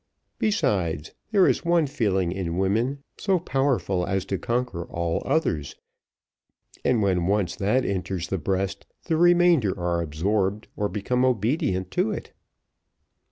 Besides, there is one feeling in women so powerful as to conquer all others, and when once that enters the breast, the remainder are absorbed or become obedient to it."